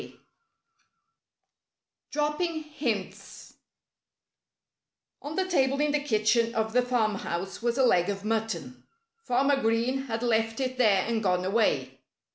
X DROPPING HINTS On the table in the kitchen of the farmhouse was a leg of mutton. Farmer Green had left it there and gone away.